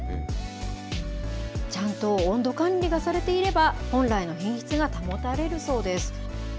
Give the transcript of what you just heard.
ちゃんと温度管理がされていれば、本来の品質が保たれるそうです。